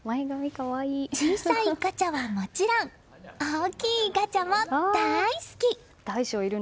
小さいガチャはもちろん大きいガチャも大好き。